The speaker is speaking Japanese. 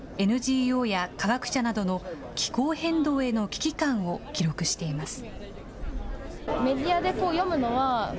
ＮＧＯや科学者などの気候変動への危機感を記録しています。